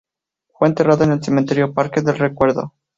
Fue enterrada en el cementerio Parque del Recuerdo.